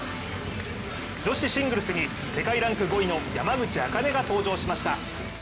女子シングルスに世界ランク５位の山口茜が登場しました。